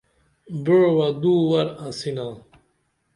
بَعوہ دو ور انسینا